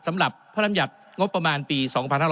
สำหรับพระรำยัติงบประมาณปี๒๕๕๙